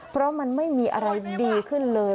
เพราะมันไม่มีอะไรดีขึ้นเลย